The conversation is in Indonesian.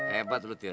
hebat lu tir